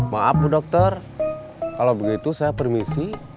maaf dokter kalau begitu saya permisi